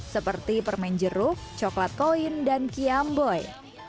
seperti permen jeruk coklat koin dan kiam boy